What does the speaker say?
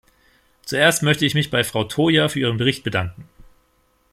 Zuerst möchte ich mich bei Frau Toia für ihren Bericht bedanken.